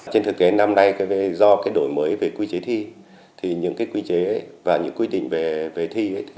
trên thực tế năm nay do đổi mới về quy chế thi thì những quy chế và những quy định về thi